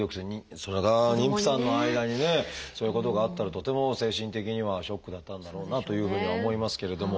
それが妊婦さんの間にねそういうことがあったらとても精神的にはショックだったんだろうなというふうには思いますけれども。